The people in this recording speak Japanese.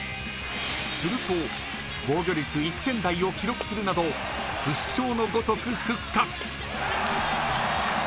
すると防御率１点台を記録するなど不死鳥のごとく復活。